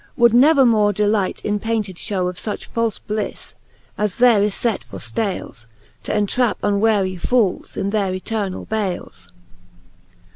Would never more delight in painted fhow Of fuch falfe blifle, as there is fet for ftales, T' entrap unwary fooles in their eternall bales.